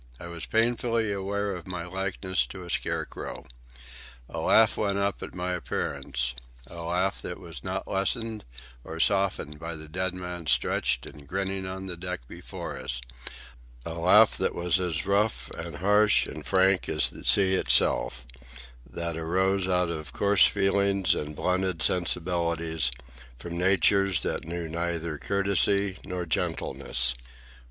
I was painfully aware of my likeness to a scarecrow. A laugh went up at my appearance,—a laugh that was not lessened or softened by the dead man stretched and grinning on the deck before us; a laugh that was as rough and harsh and frank as the sea itself; that arose out of coarse feelings and blunted sensibilities, from natures that knew neither courtesy nor gentleness.